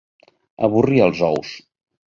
Avorrir els ous.